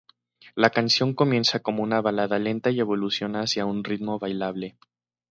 La canción comienza como una balada lenta y evoluciona hacia un ritmo bailable.